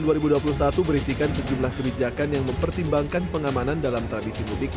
dan menerbitkan sejumlah kebijakan yang mempertimbangkan pengamanan dalam tradisi mudik